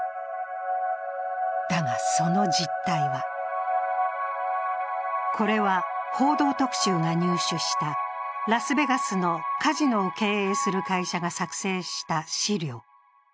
だが、その実体はこれは「報道特集」が入手したラスベガスのカジノを経営する会社が作成した資料。